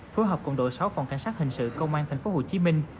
phối hợp cùng đội sáu phòng cảnh sát hình sự công an thành phố hồ chí minh